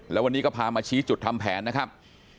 แล้ววันนี้ก็พามาชี้จุดทำแผนนะครับ